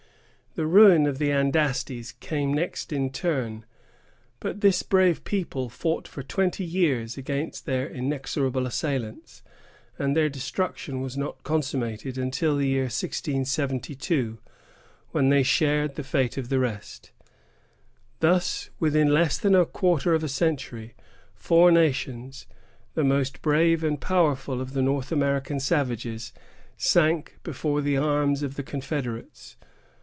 The ruin of the Andastes came next in turn; but this brave people fought for twenty years against their inexorable assailants, and their destruction was not consummated until the year 1672, when they shared the fate of the rest. Thus, within less than a quarter of a century, four nations, the most brave and powerful of the North American savages, sank before the arms of the confederates.